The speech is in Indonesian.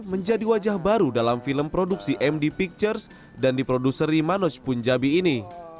menjadi wajah baru dalam film produksi md pictures dan diproduseri manoj punjabi ini